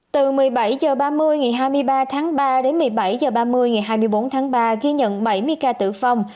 từ một mươi bảy h ba mươi ngày hai mươi ba tháng ba đến một mươi bảy h ba mươi ngày hai mươi bốn tháng ba ghi nhận bảy mươi ca tử vong